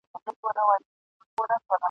د زړه مېنه مي خالي ده له سروره ..